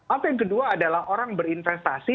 apa yang kedua adalah orang berinvestasi